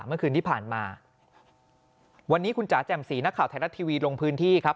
เมื่อคืนที่ผ่านมาวันนี้คุณจ๋าแจ่มสีนักข่าวไทยรัฐทีวีลงพื้นที่ครับ